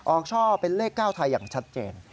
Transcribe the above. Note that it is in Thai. ออกช่อเป็นเลขเก้าไทยอย่างชัดเจน